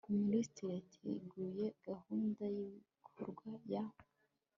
minisiteri yateguye gahunda y ibikorwa ya